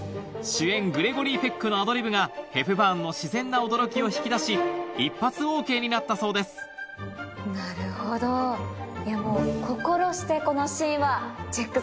主演グレゴリー・ペックのアドリブがヘプバーンの自然な驚きを引き出し１発ＯＫになったそうですなるほどいやもう。